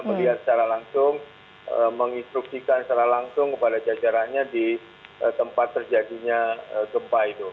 melihat secara langsung menginstruksikan secara langsung kepada jajarannya di tempat terjadinya gempa itu